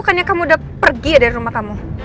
bukannya kamu udah pergi ya dari rumah kamu